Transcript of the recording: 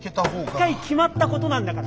一回決まったことなんだから。